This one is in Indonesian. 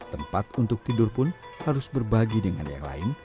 tempat untuk tidur pun harus berbagi dengan yang lain